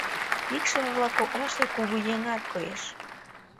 Икшыве-влак коклаште кугыеҥат коеш.